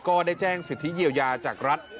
ก็ได้แจ้งสิทธิเยียวยาจากรัฐ